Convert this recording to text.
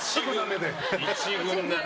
１軍だね。